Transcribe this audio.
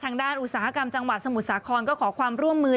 อุตสาหกรรมจังหวัดสมุทรสาครก็ขอความร่วมมือ